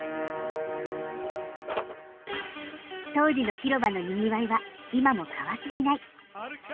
当時の広場のにぎわいは今も変わっていない。